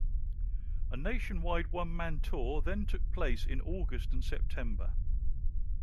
A nationwide one-man tour then took place in August and September.